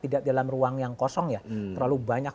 tidak dalam ruang yang kosong ya terlalu banyak